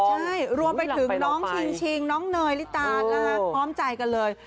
ใช่รวมไปถึงน้องชิงน้องเนยลิตานะคะพร้อมใจกันเลย